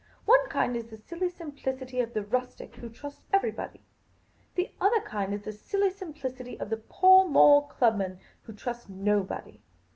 " One kind is the silly simplicity of the rustic who trusts everybody ; the other kind is the silly simplicity of the Pall Mall clubman who trusts nobody.